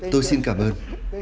tôi xin cảm ơn